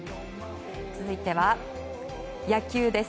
続いては、野球です。